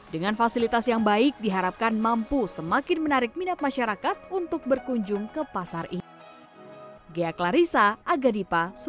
dengan fasilitas yang baik diharapkan mampu semakin menarik minat masyarakat untuk berkunjung ke pasar ini